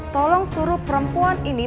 tolong suruh perempuan ini